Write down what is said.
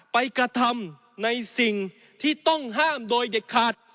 กระทำในสิ่งที่ต้องห้ามโดยเด็ดขาด